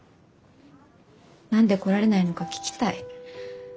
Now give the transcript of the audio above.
何で来られないのか聞きたい。